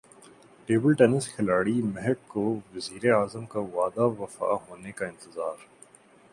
table tennis کھلاڑی مہک کو وزیراعظم کا وعدہ وفا ہونے کا انتظار